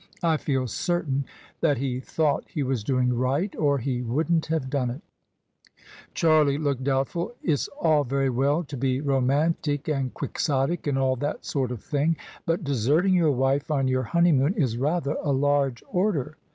I feel certain that he thought he was doing right, or he wouldn't have done it" Charlie looked doubtful. " It's all very well to be roman tic and quixotic, and all that sort of thing: but deserting your wife on your honeymoon is rather a large order."